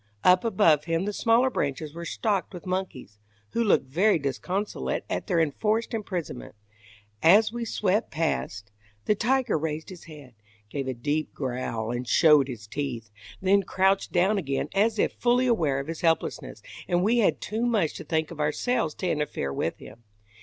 Up above him the smaller branches were stocked with monkeys, who looked very disconsolate at their enforced imprisonment. As we swept past, the tiger raised his head, gave a deep growl and showed his teeth, then crouched down again as if fully aware of his helplessness, and we had too much to think of ourselves to interfere with him.